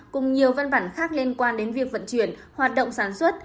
cùng nhiều văn bản khác liên quan đến việc vận chuyển hoạt động sản xuất